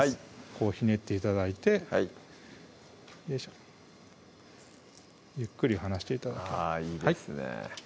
こうひねって頂いてはいゆっくり離して頂くあいいですね